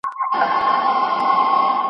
پرمختګ وکړئ.